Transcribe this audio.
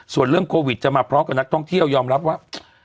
ส่วนเรื่องโควิดจะมาพร้อมกับนักท่องเที่ยวยอมรับว่า